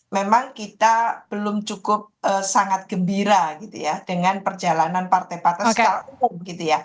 memang kita belum cukup sangat gembira gitu ya dengan perjalanan partai partai secara umum gitu ya